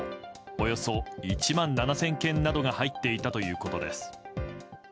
およそ１万７０００件などが入っていたということです。